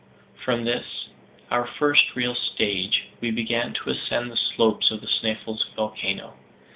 From this, our first real stage, we began to ascend the slopes of the Sneffels volcano.